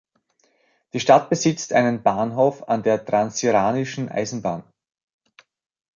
Die Stadt besitzt einen Bahnhof an der Transiranischen Eisenbahn.